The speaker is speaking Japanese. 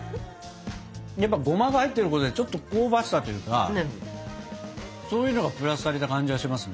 やっぱゴマが入ってることでちょっと香ばしさというかそういうのがプラスされた感じがしますね。